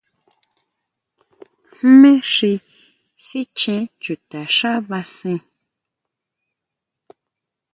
¿Jme xi sichjén chuta xá basén?